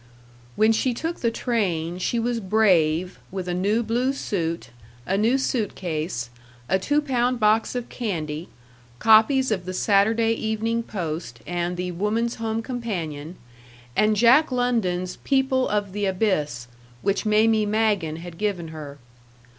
When she took the train she was brave with a new blue suit, a new suit case, a two pound box of candy, copies of the Saturday Evening Post and the Woman's Home Companion, and Jack London's People of the Abyss, which Mamie Magen had given her.